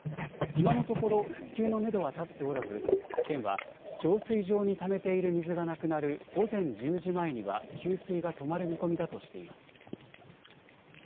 今のところ復旧のめどは立っておらず県は浄水場にためている水がなくなる午前１０時前には給水が止まる見込みだとしています。